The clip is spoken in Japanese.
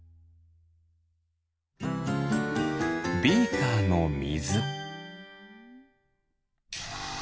ビーカーのみず。